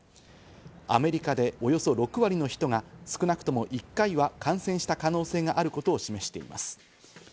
アメリカでおよそ６割の人が少なくとも１回は感染した可能性があることを示しています。